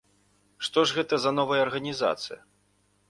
Што ж гэта за новая арганізацыя?